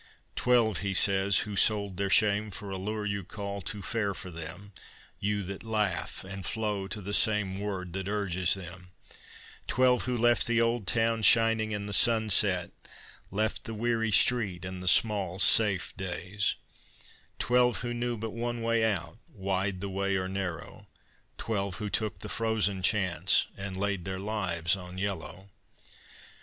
"Twelve," he says, "who sold their shame for a lure you call too fair for them You that laugh and flow to the same word that urges them: Twelve who left the old town shining in the sunset, Left the weary street and the small safe days: Twelve who knew but one way out, wide the way or narrow: Twelve who took the frozen chance and laid their lives on yellow.